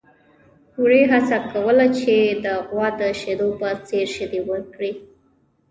وري هڅه کوله چې د غوا د شیدو په څېر شیدې ورکړي.